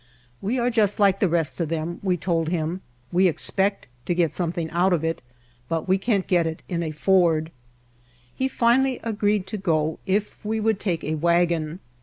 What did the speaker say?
*We are just like the rest of them," we told him. "We expect to get something out of it, but we can't get it in a Ford." He finally agreed to go if we would take a wagon.